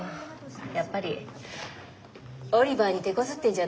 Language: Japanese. やっぱりオリバーにてこずってんじゃないの？